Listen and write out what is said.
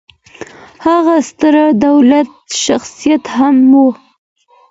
هغه ستر دولتي شخصیت هم و